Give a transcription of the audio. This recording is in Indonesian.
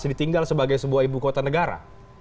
ditinggal sebagai sebuah ibu kota negara